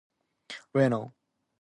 Reno.